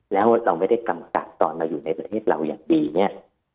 แล้วเราไม่ได้กำกับตอนเราอยู่ในประเทศเราอย่างดีเนี่ย